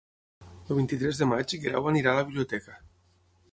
El vint-i-tres de maig en Guerau irà a la biblioteca.